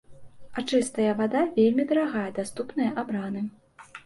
А чыстая вада вельмі дарагая, даступная абраным.